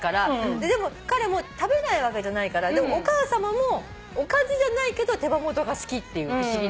でも彼も食べないわけじゃないからお母さまもおかずじゃないけど手羽元が好きっていう不思議な。